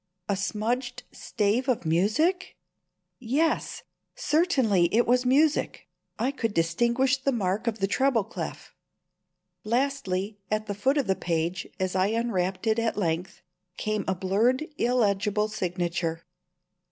... A smudged stave of music? Yes, certainly it was music. I could distinguish the mark of the treble clef. Lastly, at the foot of the page, as I unwrapped it at length, came a blurred illegible signature.